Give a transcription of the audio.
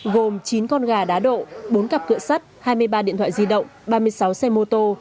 gồm chín con gà đá độ bốn cặp cửa sắt hai mươi ba điện thoại di động ba mươi sáu xe mô tô